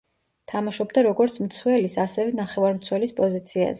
თამაშობდა როგორც მცველის, ასევე ნახევარმცველის პოზიციაზე.